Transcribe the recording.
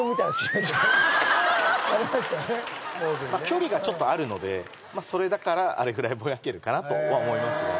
距離がちょっとあるのでそれだからあれぐらいボヤけるかなとは思いますね